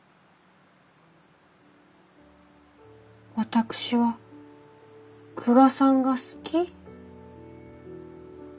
私は久我さんが好き。